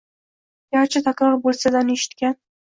garchi takror bo‘lsa-da, uni eshitgan